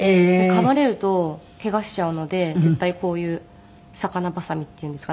かまれるとケガしちゃうので絶対こういう魚バサミっていうんですか？